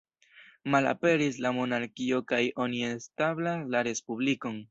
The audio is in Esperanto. Malaperis la monarkio kaj oni establas la Respublikon.